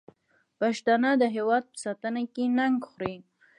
پښتانه د هېواد په ساتنه کې ننګ خوري.